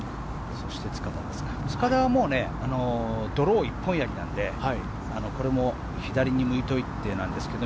塚田はもうドロー一本やりなんでこれも左に向いておいてなんですけど。